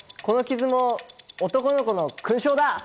この傷も男の子の勲章だ！